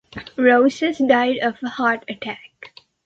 Roussos died of a heart attack.